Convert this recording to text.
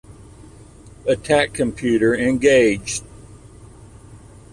Attack computer engaged.